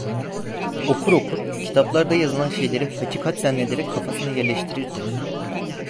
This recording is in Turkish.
Okur okur, kitaplarda yazılan şeyleri hakikat zannederek kafasına yerleştirirdi.